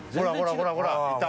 ほらほらいた！